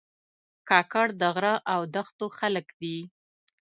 کاکړ د غره او دښتو خلک دي.